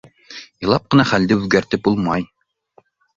Илап ҡына хәлде үҙгәртеп булмай.